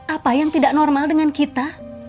apa yang tidak normal dengan kita